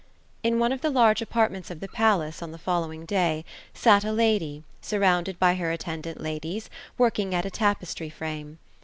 In one of the large apartments of the palace, on the following day, sat a lady, surrrounded by her attendant ladies, working at a tapestry frame.